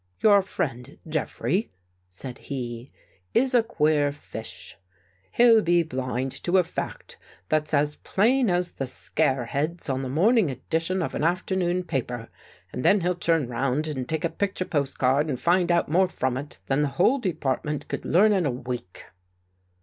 " Your friend Jeffrey," said he, " is a queer fish. He'll be blind to a fact that's as plain as the scare heads on the morning edition of an afternoon paper, and then he'll turn round and take a picture post card and find out more from it than the whole De partment could learn in a week."